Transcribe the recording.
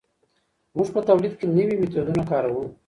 موږ په تولید کي نوي میتودونه کاروو.